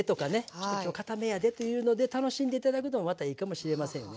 ちょっと今日かためやでっていうので楽しんで頂くのもまたいいかもしれませんよね。